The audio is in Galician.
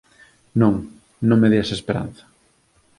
Non. Non me deas esperanza.